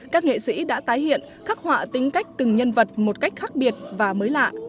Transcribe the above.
các nghệ sĩ đã tái hiện khắc họa tính cách từng nhân vật một cách khác biệt và mới lạ